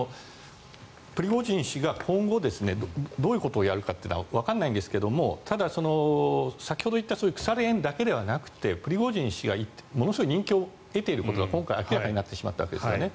プリゴジン氏が今後どういうことをやるかはわからないんですが先ほど言った腐れ縁だけではなくてプリゴジン氏が人気を得ていることが今回明らかになってしまったわけですね。